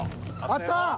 あった。